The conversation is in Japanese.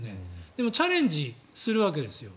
でもチャレンジするわけですよ。